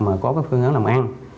mà có cái phương án làm ăn